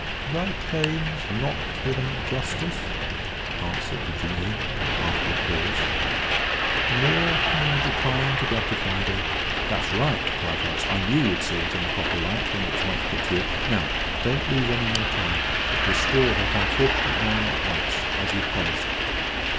"Thy claim is not without justice," answered the Jinnee, after a pause, "nor can I decline to gratify thee." "That's right," cried Horace; "I knew you'd see it in the proper light when it was once put to you. Now, don't lose any more time, but restore that unfortunate man at once, as you've promised."